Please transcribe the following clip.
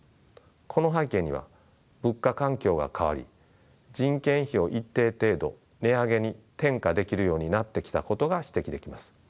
この背景には物価環境が変わり人件費を一定程度値上げに転嫁できるようになってきたことが指摘できます。